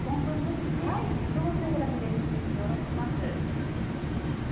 すりおろします。